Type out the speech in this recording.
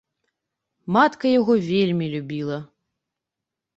Матка яго вельмі любіла.